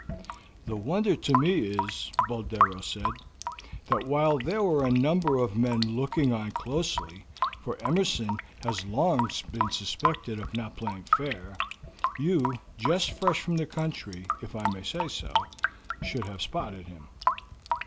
"The wonder to me is," Boldero said, "that while there were a number of men looking on closely, for Emerson has long been suspected of not playing fair, you, just fresh from the country, if I may say so, should have spotted him."